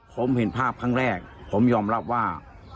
ผมเห็นภาพครั้งแรกผมยอมรับว่า